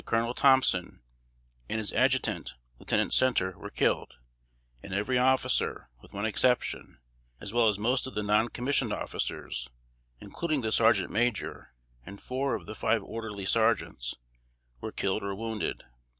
Colonel Thompson, and his adjutant, Lieutenant Center, were killed; and every officer, with one exception, as well as most of the non commissioned officers, including the sergeant major, and four of the five orderly sergeants, were killed or wounded.